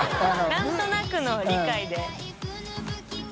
何となくの理解で。